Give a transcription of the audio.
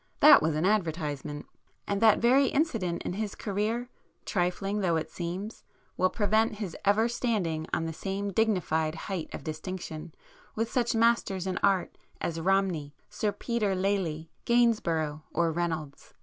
That was an advertisement. And that very incident in his career, trifling though it seems, will prevent his ever standing on the same dignified height of distinction with such masters in art as Romney, Sir Peter Lely, Gainsborough or Reynolds."